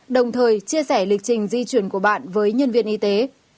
đồng thời chia sẻ lịch trình di chuyển của bạn với nhân viên y tế